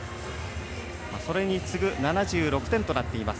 それに次ぐ７６点となっています。